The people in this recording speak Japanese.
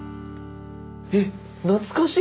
えっ懐かしい！